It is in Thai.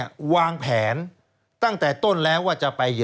สวัสดีค่ะต้อนรับคุณบุษฎี